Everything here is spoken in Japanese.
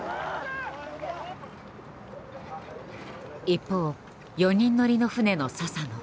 一方４人乗りの船の佐々野。